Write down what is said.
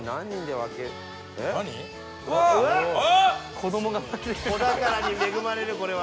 子宝に恵まれるこれは。